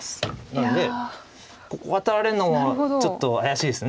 なのでここワタられるのはちょっと怪しいです。